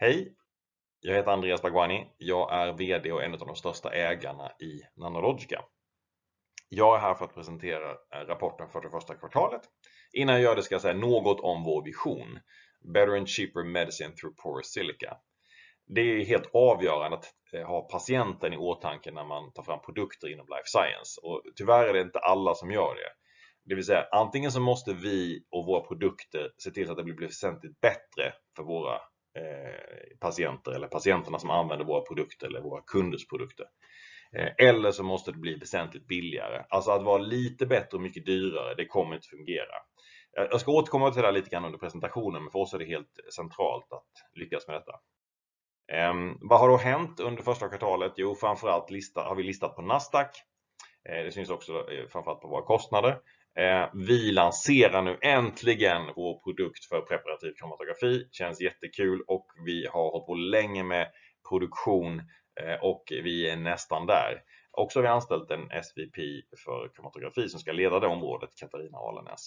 Hej, jag heter Andreas Bhagwani. Jag är VD och en av de största ägarna i Nanologica. Jag är här för att presentera rapporten för det första kvartalet. Innan jag gör det ska jag säga något om vår vision. Better and cheaper medicine through porous silica. Det är ju helt avgörande att ha patienten i åtanke när man tar fram produkter inom life science och tyvärr är det inte alla som gör det. Det vill säga antingen så måste vi och våra produkter se till att det blir väsentligt bättre för våra patienter eller patienterna som använder våra produkter eller våra kunders produkter. Eller så måste det bli väsentligt billigare. Alltså att vara lite bättre och mycket dyrare, det kommer inte fungera. Jag ska återkomma till det lite grann under presentationen, men för oss är det helt centralt att lyckas med detta. Vad har då hänt under första kvartalet? Jo, framför allt har vi listat på Nasdaq. Det syns också framför allt på våra kostnader. Vi lanserar nu äntligen vår produkt för preparativ kromatografi. Känns jättekul och vi har hållit på länge med produktion, och vi är nästan där. Också har vi anställt en SVP för kromatografi som ska leda det området, Katarina Alenäs.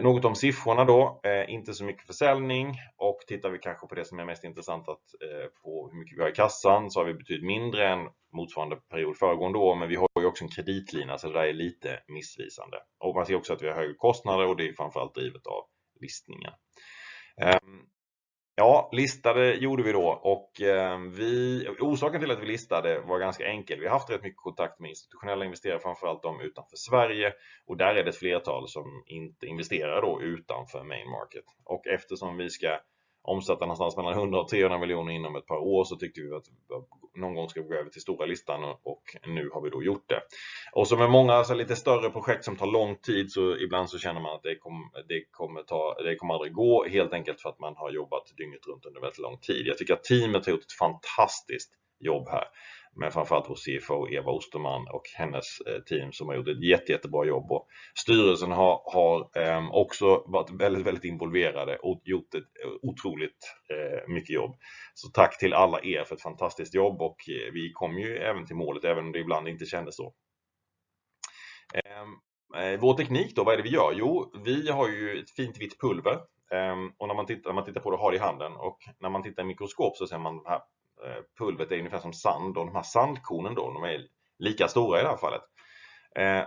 Något om siffrorna då. Inte så mycket försäljning och tittar vi kanske på det som är mest intressant att, på hur mycket vi har i kassan så har vi betydligt mindre än motsvarande period föregående år, men vi har ju också en kreditlinje så det där är lite missvisande. Man ser också att vi har högre kostnader och det är framför allt drivet av listningen. Ja, listade gjorde vi då och vi, orsaken till att vi listade var ganska enkel. Vi har haft rätt mycket kontakt med institutionella investerare, framför allt de utanför Sverige och där är det ett flertal som inte investerar då utanför main market. Eftersom vi ska omsätta någonstans mellan 100-300 miljoner inom ett par år så tyckte vi att någon gång ska vi gå över till stora listan och nu har vi då gjort det. Som med många så här lite större projekt som tar lång tid, ibland känner man att det kommer ta, det kommer aldrig gå helt enkelt för att man har jobbat dygnet runt under väldigt lång tid. Jag tycker att teamet har gjort ett fantastiskt jobb här, med framför allt vår CFO Eva Osterman och hennes team som har gjort ett jättebra jobb. Styrelsen har också varit väldigt involverade och gjort ett otroligt mycket jobb. Tack till alla er för ett fantastiskt jobb och vi kom ju även till målet även om det ibland inte kändes så. Vår teknik då, vad är det vi gör? Jo, vi har ju ett fint vitt pulver. Och när man tittar på det och har det i handen och när man tittar i mikroskop så ser man det här pulvret är ungefär som sand och de här sandkornen då de är lika stora i det här fallet.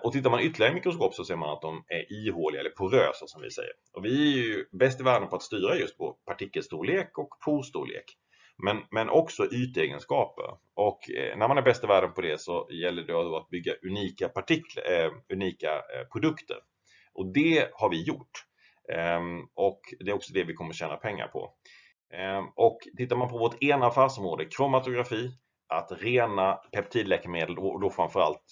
Och tittar man ytterligare i mikroskop så ser man att de är ihåliga eller porösa som vi säger. Och vi är ju bäst i världen på att styra just på partikelstorlek och porstorlek, men också ytegenskaper. Och när man är bäst i världen på det så gäller det att bygga unika produkter. Och det har vi gjort. Det är också det vi kommer att tjäna pengar på. Tittar man på vårt ena affärsområde, kromatografi, att rena peptidläkemedel och då framför allt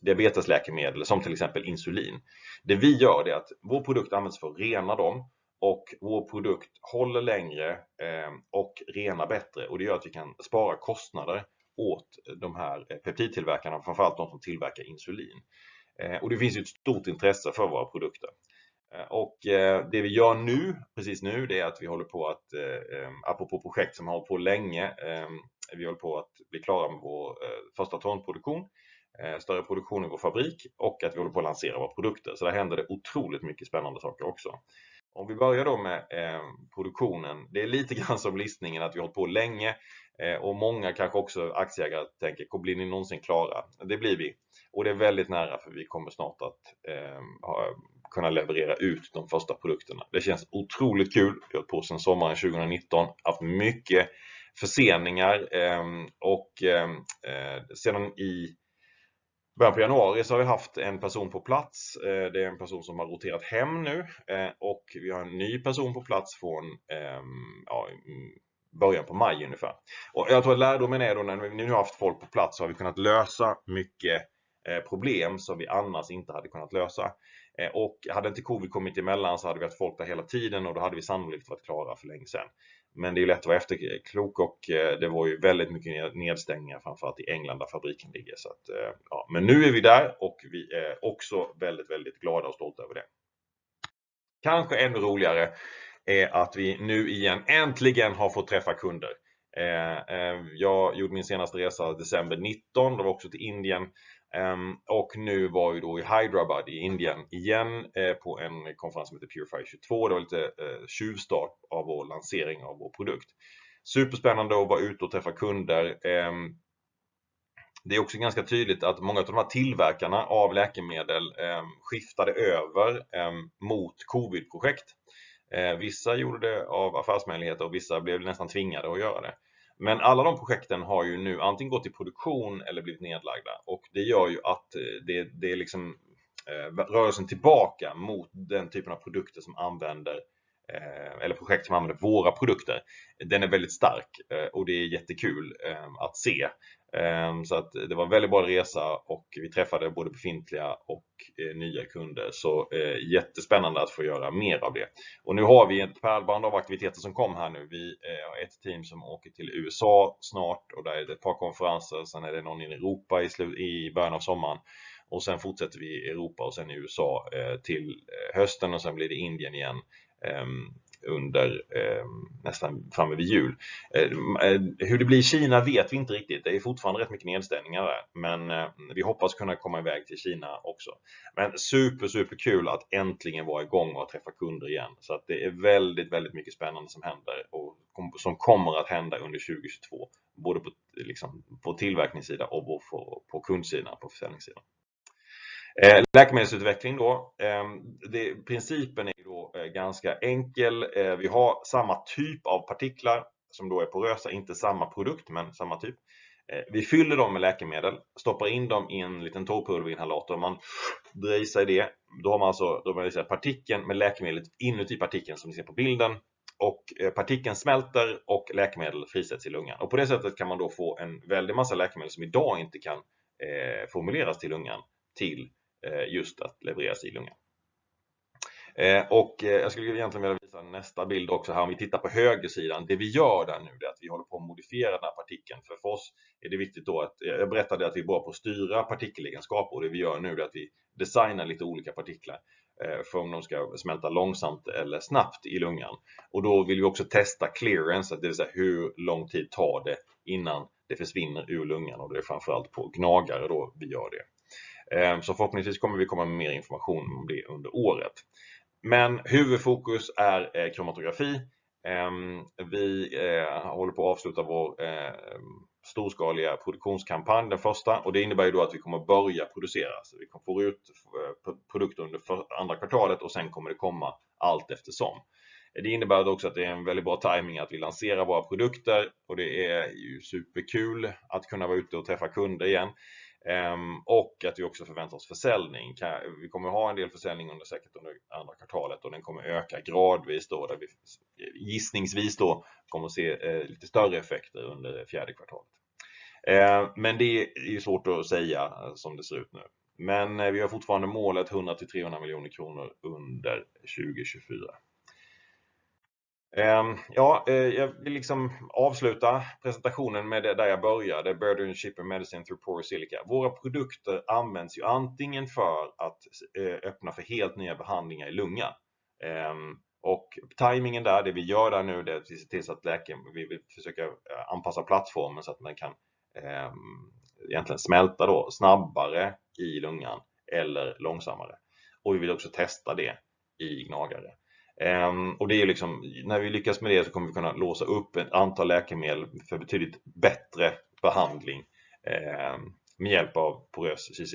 diabetesläkemedel som till exempel insulin. Det vi gör är att vår produkt används för att rena dem och vår produkt håller längre och renar bättre och det gör att vi kan spara kostnader åt de här peptidtillverkarna, framför allt de som tillverkar insulin. Det finns ju ett stort intresse för våra produkter. Det vi gör nu, precis nu, det är att vi håller på att, apropå projekt som vi har hållit på länge, vi håller på att bli klara med vår första tonproduktion, större produktion i vår fabrik och att vi håller på att lansera våra produkter. Där händer det otroligt mycket spännande saker också. Om vi börjar då med produktionen. Det är lite grann som listningen, att vi har hållit på länge, och många kanske också aktieägare tänker: "Blir ni någonsin klara?" Det blir vi och det är väldigt nära för vi kommer snart att ha kunna leverera ut de första produkterna. Det känns otroligt kul. Vi har hållit på sedan sommaren 2019. Haft mycket förseningar, och sedan i början på januari så har vi haft en person på plats. Det är en person som har roterat hem nu och vi har en ny person på plats från ja i början på maj ungefär. Jag tror att lärdomen är då när vi nu haft folk på plats så har vi kunnat lösa mycket problem som vi annars inte hade kunnat lösa. Hade inte COVID kommit emellan så hade vi haft folk där hela tiden och då hade vi sannolikt varit klara för länge sedan. Det är lätt att vara efterklok och det var ju väldigt mycket nedstängningar, framför allt i England där fabriken ligger. Så att, ja. Nu är vi där och vi är också väldigt glada och stolta över det. Kanske ännu roligare är att vi nu igen äntligen har fått träffa kunder. Jag gjorde min senaste resa december 2019. Det var också till Indien. Och nu var vi då i Hyderabad i Indien igen på en konferens som hette Purify'22. Det var lite tjuvstart av vår lansering av vår produkt. Superspännande att vara ute och träffa kunder. Det är också ganska tydligt att många utav de här tillverkarna av läkemedel skiftade över mot covid-projekt. Vissa gjorde det av affärsmöjligheter och vissa blev nästan tvingade att göra det. Alla de projekten har ju nu antingen gått i produktion eller blivit nedlagda och det gör ju att det liksom rörelsen tillbaka mot den typen av produkter som använder eller projekt som använder våra produkter, den är väldigt stark, och det är jättekul att se. Att det var en väldigt bra resa och vi träffade både befintliga och nya kunder. Jättespännande att få göra mer av det. Nu har vi ett pärlband av aktiviteter som kom här nu. Vi har ett team som åker till USA snart och där är det ett par konferenser. Är det någon i Europa i slutet, i början av sommaren och fortsätter vi i Europa och i USA till hösten och blir det Indien igen, under nästan framöver jul. Hur det blir i Kina vet vi inte riktigt. Det är fortfarande rätt mycket nedstängningar där, men vi hoppas kunna komma i väg till Kina också. Super, superkul att äntligen vara i gång och träffa kunder igen. Det är väldigt mycket spännande som händer och som kommer att hända under 2022, både på liksom på tillverkningssida och på kundsidan, på försäljningssidan. Läkemedelsutveckling då. Det principen är då ganska enkel. Vi har samma typ av partiklar som då är porösa, inte samma produkt, men samma typ. Vi fyller dem med läkemedel, stoppar in dem i en liten torrpulverinhalator. Om man drejer sig det, då har man alltså partikeln med läkemedlet inuti partikeln som ni ser på bilden och partikeln smälter och läkemedel frisätts i lungan. På det sättet kan man då få en väldig massa läkemedel som i dag inte kan formulerats till lungan till just att levereras i lungan. Jag skulle egentligen vilja visa nästa bild också här. Om vi tittar på högersidan, det vi gör där nu, det är att vi håller på att modifiera den här partikeln. För oss är det viktigt då att, jag berättade att vi var på att styra partikelegenskaper. Det vi gör nu är att vi designar lite olika partiklar för om de ska smälta långsamt eller snabbt i lungan. Då vill vi också testa clearance, det vill säga hur lång tid tar det innan det försvinner ur lungan och det är framför allt på gnagare då vi gör det. Förhoppningsvis kommer vi komma med mer information om det under året. Huvudfokus är kromatografi. Vi håller på att avsluta vår storskaliga produktionskampanj, den första. Det innebär ju då att vi kommer att börja producera. Vi kommer få ut produkter under andra kvartalet och sen kommer det komma allt eftersom. Det innebär då också att det är en väldigt bra tajming att vi lanserar våra produkter och det är ju superkul att kunna vara ute och träffa kunder igen. Och att vi också förväntar oss försäljning. Vi kommer att ha en del försäljning under säkert under andra kvartalet och den kommer öka gradvis då. Gissningsvis då kommer vi att se lite större effekter under fjärde kvartalet. Det är ju svårt att säga som det ser ut nu. Vi har fortfarande målet 100 million-300 million kronor under 2024. Ja, jag vill liksom avsluta presentationen med det där jag började. Bringing cheaper medicine through porous silica. Våra produkter används ju antingen för att öppna för helt nya behandlingar i lungan. Tajmingen där, det vi gör där nu, det är att vi ser till att läkaren, vi vill försöka anpassa plattformen så att den kan egentligen smälta då snabbare i lungan eller långsammare. Vi vill också testa det i gnagare. Det är ju liksom när vi lyckas med det så kommer vi kunna låsa upp ett antal läkemedel för betydligt bättre behandling med hjälp av porös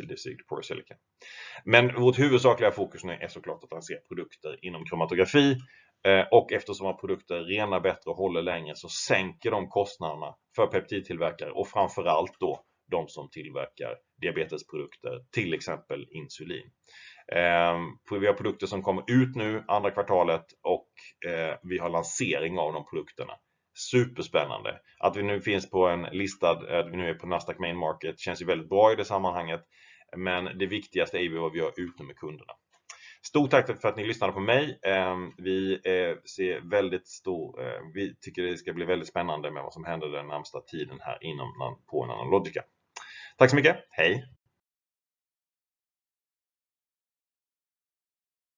silica. Vårt huvudsakliga fokus nu är så klart att lansera produkter inom kromatografi. Eftersom våra produkter är renare bättre och håller länge så sänker de kostnaderna för peptidtillverkare och framför allt då de som tillverkar diabetesprodukter, till exempel insulin. Vi har produkter som kommer ut nu andra kvartalet och vi har lansering av de produkterna. Superspännande. Att vi nu finns på en listad, att vi nu är på Nasdaq Main Market känns ju väldigt bra i det sammanhanget, men det viktigaste är ju vad vi gör ute med kunderna. Stort tack för att ni lyssnade på mig. Vi ser väldigt stor, vi tycker det ska bli väldigt spännande med vad som händer den närmsta tiden här inom på Nanologica. Tack så mycket. Hej.